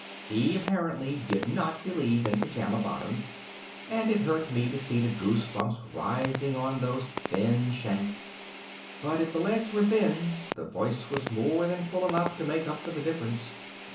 He apparently did not believe in pajama bottoms and it hurt me to see the goose bumps rising on those thin shanks. But if the legs were thin, the voice was more than full enough to make up for the difference.